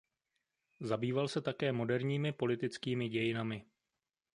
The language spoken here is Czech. Zabýval se také moderními politickými dějinami.